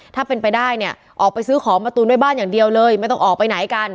ถ้าเป็นไปได้เนี่ยออกไปซื้อของมาตูนด้วยบ้านอย่างเดียวเลยไม่ต้องออกไปไหนกัน